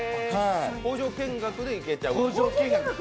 工場見学で行けちゃう。